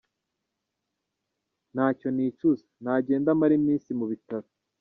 Nta cyo nicuza ! Nagende amare iminsi mu bitaro.